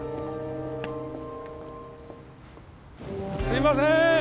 すいません！